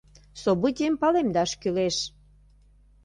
Событийым палемдаш кӱлеш.